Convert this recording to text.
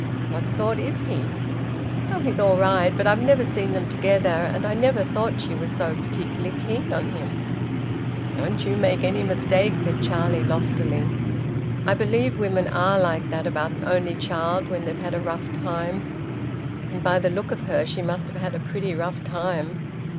What sort is he?" "Oh! He's all right. But I've never seen them together, and I never thought she was so particularly keen on him." "Don't you make any mistake," said Charlie loftily. "I believe women often are like that about an only child when they've had a rough time. And by the look of her she must have had a pretty rough time.